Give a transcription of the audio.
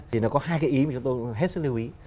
thì nó có hai cái ý mà chúng tôi hết sức lưu ý